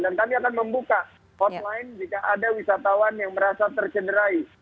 dan kami akan membuka hotline jika ada wisatawan yang merasa tercederai